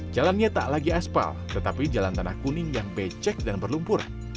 jalannya tak lagi aspal tetapi jalan tanah kuning yang becek dan berlumpur